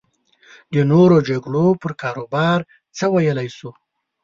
د نورو د جګړو پر کاروبار څه ویلی شو.